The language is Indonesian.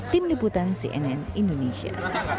tim liputan cnn indonesia